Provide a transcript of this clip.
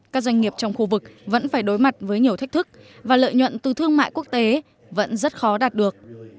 các doanh nghiệp trong khu vực vẫn phải đối mặt với nhiều thách thức và lợi nhuận từ thương mại quốc tế vẫn rất khó đạt được